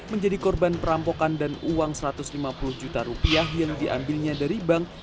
menjadi korban perampokan dan uang satu ratus lima puluh juta rupiah yang diambilnya dari bank